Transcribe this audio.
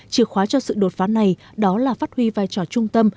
chìa khóa cho sự đột phá này đó là phát huy vai trò trung tâm